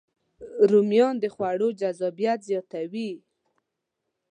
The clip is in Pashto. رومیان د خوړو جذابیت زیاتوي